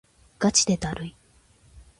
がちでだるい